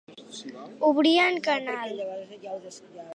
Obrir en canal.